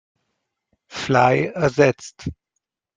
Fly" ersetzt.